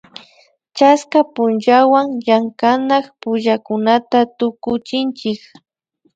chaska punllawan llankanak pullakunata tukuchinchik